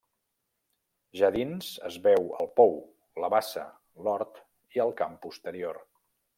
Ja dins, es veu el pou, la bassa, l'hort i el camp posterior.